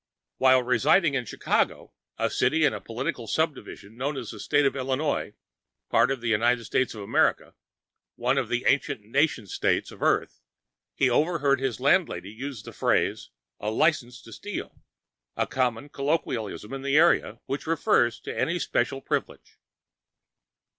While residing in Chicago, a city in a political subdivision known as the State of Illinois, part of the United States of America, one of the ancient nation states of Earth, he overheard his landlady use the phrase "A license to steal," a common colloquialism in the area, which refers to any special privilege.